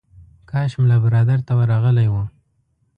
کاش ملا برادر ته ورغلی و.